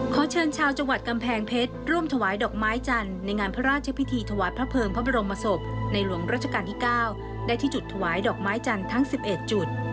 ขอเชิญชาวจังหวัดกำแพงเพชรร่วมถวายดอกไม้จันทร์ในงานพระราชพิธีถวายพระเภิงพระบรมศพในหลวงราชการที่๙ได้ที่จุดถวายดอกไม้จันทร์ทั้ง๑๑จุด